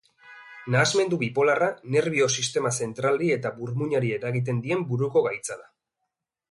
Nahasmendu bipolarra nerbio-sistema zentralari eta burmuinari eragiten dien buruko gaitza da.